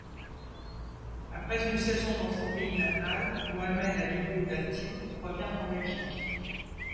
Après une saison dans son pays natal, Mohammed Aliyu Datti revient en Belgique.